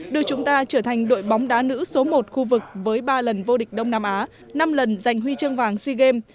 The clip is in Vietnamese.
đưa chúng ta trở thành đội bóng đá nữ số một khu vực với ba lần vô địch đông nam á năm lần giành huy chương vàng sea games